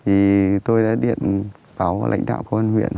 thì tôi đã điện báo lãnh đạo công an huyện